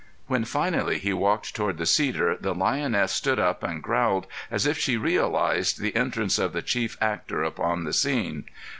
When finally he walked toward the cedar the lioness stood up and growled as if she realized the entrance of the chief actor upon the scene.